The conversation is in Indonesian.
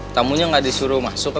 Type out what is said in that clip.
tamunya gak disuruh masuk